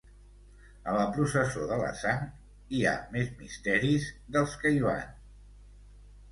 A la Processó de la Sang hi ha més misteris dels que hi van.